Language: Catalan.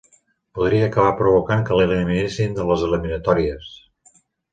Podria acabar provocant que l'eliminessin de les eliminatòries.